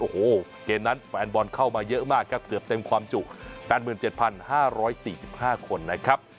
โอ้โหเกมนั้นแฟนบอลเข้ามาเยอะมากครับเกือบเต็มความจุ๘๗๕๔๕คนนะครับ